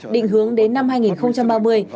định hướng đến năm hai nghìn ba mươi